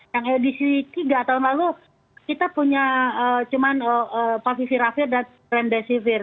yang edisi tiga tahun lalu kita punya cuma paviviravir dan remdesivir